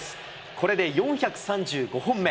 これで４３５本目。